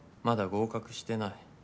まだ合格してない。